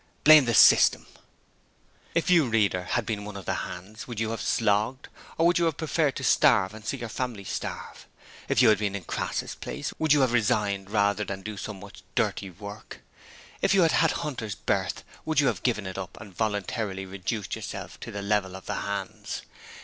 Blame the system. If you, reader, had been one of the hands, would you have slogged? Or would you have preferred to starve and see your family starve? If you had been in Crass's place, would you have resigned rather than do such dirty work? If you had had Hunter's berth, would you have given it up and voluntarily reduced yourself to the level of the hands?